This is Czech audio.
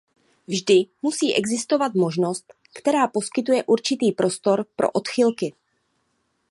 Vždy musí existovat možnost, která poskytuje určitý prostor pro odchylky.